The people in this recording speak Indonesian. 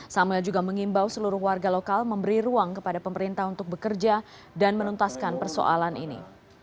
samuel juga mengimbau seluruh warga lokal memberi ruang kepada pemerintah untuk bekerja dan menuntaskan persoalan ini